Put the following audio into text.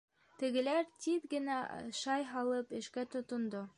Тегеләр, тиҙ генә ашай һалып, эшкә тотондо.